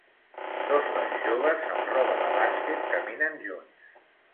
Dos nois joves amb roba de bàsquet caminen junts